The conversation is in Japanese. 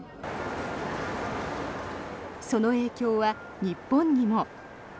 その影響は日本にも。